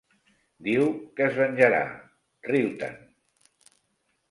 Diu que es venjarà: riu-te'n.